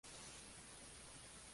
Consta de siete movimientos.